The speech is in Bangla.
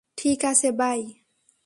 ঠিক আছে, বাই।